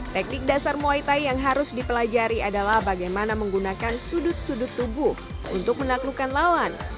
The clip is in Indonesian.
teknik dasar muay thai yang harus dipelajari adalah bagaimana menggunakan sudut sudut tubuh untuk menaklukkan lawan